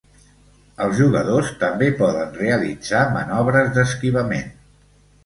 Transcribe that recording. Els jugadors també poden realitzar manobres d'esquivament.